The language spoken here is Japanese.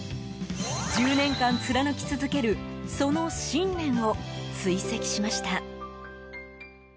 １０年間貫き続けるその信念を追跡しました。